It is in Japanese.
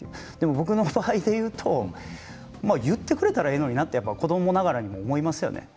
僕の場合で言うと言ってくれたらいいのになと子どもながらに思いますよね。